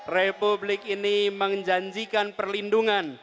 republik ini menjanjikan perlindungan